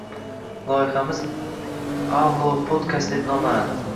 Loyihamiz “Avlo podkast” deb nomlanadi